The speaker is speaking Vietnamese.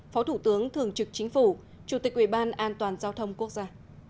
phó thủ tướng thường trực chính phủ chủ tịch ủy ban an toàn giao thông quốc gia